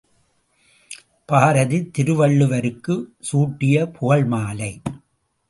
பாரதி, திருவள்ளுவருக்குச் சூட்டிய புகழ்மாலை.